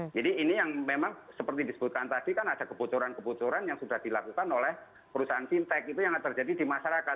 jadi ini yang memang seperti disebutkan tadi kan ada kebocoran kebocoran yang sudah dilakukan oleh perusahaan fintech itu yang terjadi di masyarakat